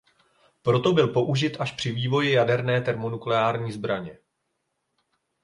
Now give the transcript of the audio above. Proto byl použit až při vývoji jaderné termonukleární zbraně.